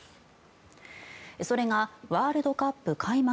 それがワールドカップ開幕